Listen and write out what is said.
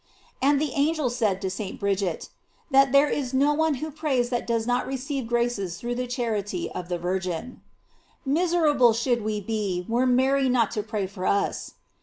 § And the angel said to St. Bridget, that there is no one who prays that does not receive graces through the charity of theVirgin.|| Miserable should we be were Mary not to pray for us.